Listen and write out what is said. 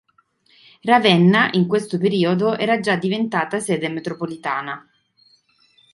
Ravenna in questo periodo era già diventata sede metropolitana.